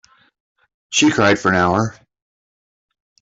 She cried for an hour.